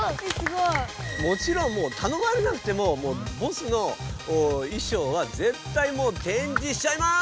もちろんたのまれなくてもボスの衣装はぜったいもう展示しちゃいます！